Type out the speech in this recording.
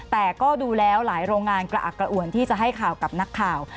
แต่ก็ดูแล้วหลายโรงงานกระอักกระอวนที่จะให้ข่าวกับนักข่าว